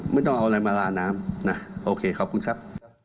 ไม่ต้องเอาอะไรมาลาน้ำนะโอเคขอบคุณครับ